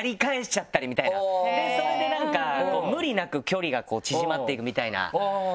それでなんか無理なく距離が縮まっていくみたいな。